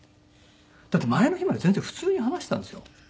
だって前の日まで全然普通に話してたんですよ